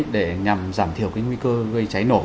để nhằm giảm thiểu cái nguy cơ gây cháy nổ